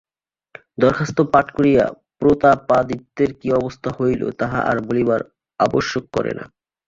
দরখাস্ত পাঠ করিয়া প্রতাপাদিত্যের কি অবস্থা হইল তাহা আর বলিবার আবশ্যক করে না।